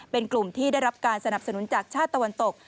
เป็นกลุ่มที่ได้รับการสนับสนุนจากชาติตะวันตก